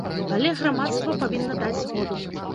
Але грамадства павінна даць згоду.